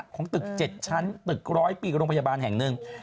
ของตึก๗ชั้นตึก๑๐๐ปีโรงพยาบาลแห่งหนึ่ง